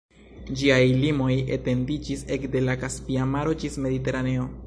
Ĝiaj limoj etendiĝis ekde la Kaspia Maro ĝis Mediteraneo.